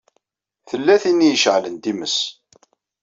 Tella tin i iceɛlen times.